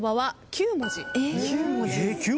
９文字？